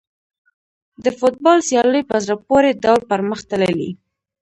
د فوټبال سیالۍ په زړه پورې ډول پرمخ تللې.